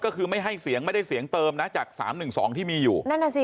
ก็คือไม่ให้เสียงไม่ได้เสียงเติมจากสามหนึ่งสองที่มีอยู่